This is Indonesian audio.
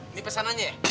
ini pesanannya ya